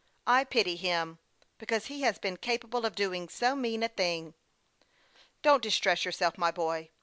I pity him, because he has been capable of doing so mean a thing. Don't distress yourself, my boy.